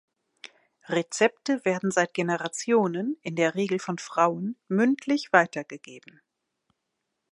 Rezepte werden seit Generationen, in der Regel von Frauen, mündlich weitergegeben.